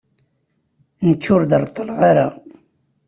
Nekk ur d-reṭṭleɣ ara.